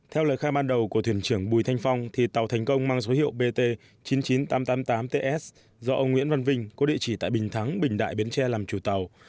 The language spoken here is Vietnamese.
theo lời khai ban đầu của thuyền trưởng bùi thanh phong tàu thành công mang số hiệu bt chín mươi chín nghìn tám trăm tám mươi tám ts do ông nguyễn văn vinh có địa chỉ tại bình thắng bình đại bến tre làm chủ tàu